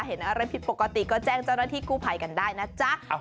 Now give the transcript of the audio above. เห็นอะไรผิดปกติก็แจ้งเจ้าหน้าที่กู้ภัยกันได้นะจ๊ะ